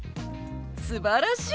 すばらしい！